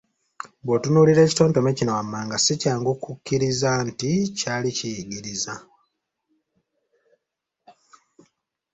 Bw’otunuulira ekitontome kino wammanga si kyangu kukikkiriza nti kyali kiyigiriza